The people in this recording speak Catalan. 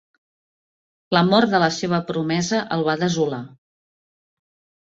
La mort de la seva promesa el va desolar.